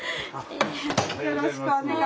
よろしくお願いします。